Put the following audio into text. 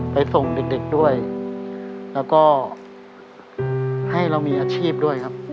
ส่งเด็กด้วยแล้วก็ให้เรามีอาชีพด้วยครับ